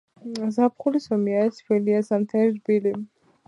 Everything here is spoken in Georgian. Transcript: ზაფხული ზომიერად თბილია, ზამთარი რბილი.